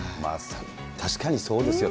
確かにそうですよ。